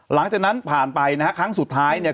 หลังจากนั้นผ่านไปนะฮะครั้งสุดท้ายเนี่ย